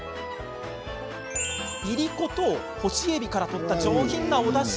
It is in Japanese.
いりこと、干しえびから取った上品なだし。